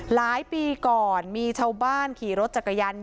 หลายปีก่อนมีชาวบ้านขี่รถจักรยานยน